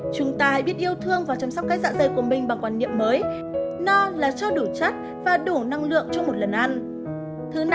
chúng ta biết yêu thương và chăm sóc khách dạ dày của mình bằng quan niệm mới nó là cho đủ chất và đủ năng lượng cho một lần ăn